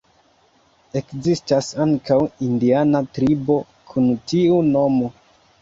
Ekzistas ankaŭ indiana tribo kun tiu nomo.